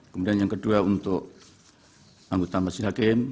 kemudian yang kedua untuk anggota majelis hakim